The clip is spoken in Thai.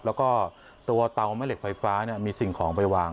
แล้วก็ตัวเตาแม่เหล็กไฟฟ้ามีสิ่งของไปวาง